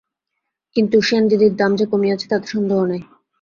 কিন্তু সেনদিদির দাম যে কমিয়াছে তাতে সন্দেহ নই।